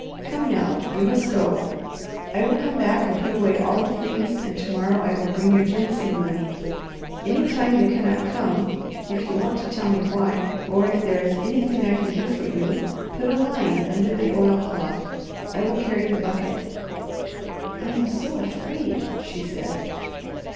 Come now, you must go. I will come back and put away all the things and tomorrow I will bring your ginseng money. Any time you cannot come, if you want to tell me why, or if there is anything I can do for you, put a line under the oilcloth. I will carry the bucket." "I am so afraid," she said.